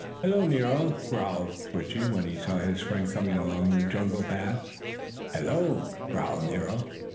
"Hello, Nero!" growled Switchie, when he saw his friend coming along the jungle path. "Hello!" growled Nero.